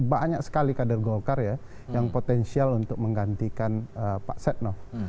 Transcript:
banyak sekali kader golkar ya yang potensial untuk menggantikan pak setnov